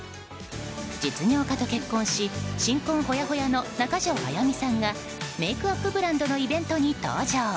実業家と結婚し新婚ほやほやの中条あやみさんがメイクアップブランドのイベントに登場。